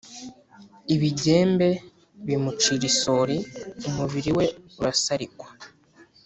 Ibigembe bimucira isuli, umubili we urasalikwa,